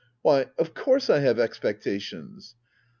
Why, of course I have expectations.